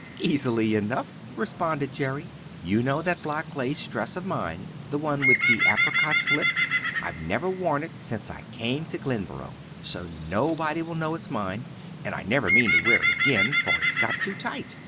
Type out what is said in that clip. "Easily enough," responded Jerry. "You know that black lace dress of mine the one with the apricot slip. I've never worn it since I came to Glenboro, so nobody will know it's mine, and I never mean to wear it again for it's got too tight.